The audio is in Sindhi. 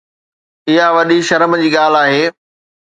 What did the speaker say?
اها وڏي شرم جي ڳالهه آهي